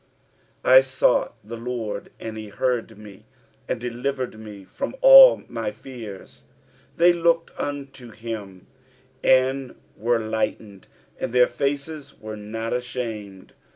4 I sought the LORD, and he heard me, and delivered me from all my fears. 5 They looked unto him, and were lightened : and their faces were not ashamed.